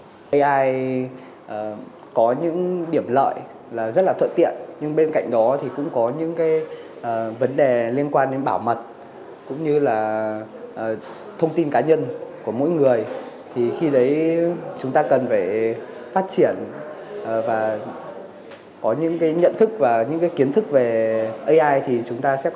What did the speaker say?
có thể là ai có những điểm lợi là rất là thuận tiện nhưng bên cạnh đó thì cũng có những cái vấn đề liên quan đến bảo mật cũng như là thông tin cá nhân của mỗi người thì khi đấy chúng ta cần phải phát triển và có những cái nhận thức và những cái kiến thức về ai thì chúng ta sẽ có thể làm chủ được nó kiểm soát được nó